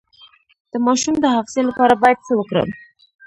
د ماشوم د حافظې لپاره باید څه ورکړم؟